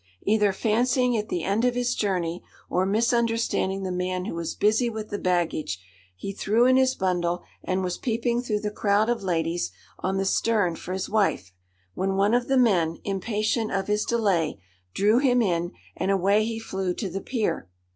Either fancying it the end of his journey, or misunderstanding the man who was busy with the baggage, he threw in his bundle, and was peeping through the crowd of ladies on the stern for his wife; when one of the men, impatient of his delay, drew him in, and away he flew to the pier.